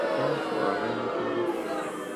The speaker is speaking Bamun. Nsu a pua’ renké́ri.